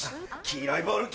黄色いボール！